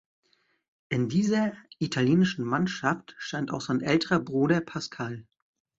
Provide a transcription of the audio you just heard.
In dieser italienischen Mannschaft stand auch sein älterer Bruder Pasquale.